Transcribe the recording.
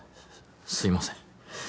すいません